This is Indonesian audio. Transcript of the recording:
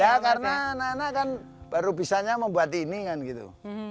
ya karena anak anak kan baru bisanya membuat ini kan gitu